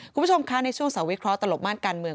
คุณผู้ชมคะในช่วงเสาวิเคราะหลบม่านการเมือง